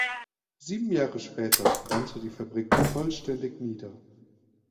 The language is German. Sieben Jahre später brannte die Fabrik vollständig nieder.